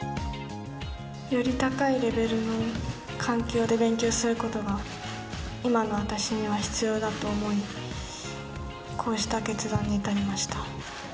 より高いレベルの環境で勉強することが、今の私には必要だと思い、こうした決断に至りました。